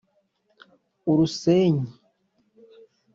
urusenyi !!!!!